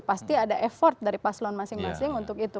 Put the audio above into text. pasti ada effort dari paslon masing masing untuk itu